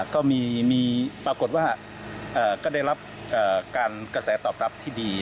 ก็มีปรากฏว่าก็ได้รับการกระแสตอบรับที่ดี